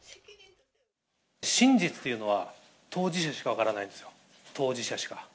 真実っていうのは、当事者しか分からないんですよ、当事者しか。